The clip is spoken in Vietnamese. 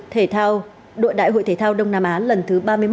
thế thao đội đại hội thế thao đông nam á lần thứ ba